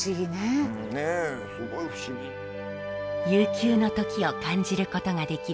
悠久の時を感じることができるこの公園。